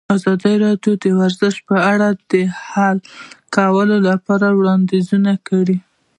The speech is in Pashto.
ازادي راډیو د ورزش په اړه د حل کولو لپاره وړاندیزونه کړي.